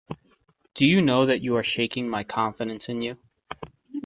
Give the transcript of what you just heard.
Do you know that you are shaking my confidence in you.